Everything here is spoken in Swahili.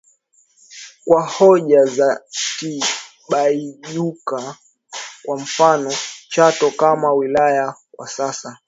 Kwa hoja za Tibaijuka kwa mfano Chato kama wilaya kwa sasa